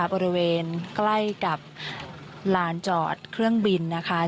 บริเวณใกล้กับลานจอดเครื่องบินนะคะ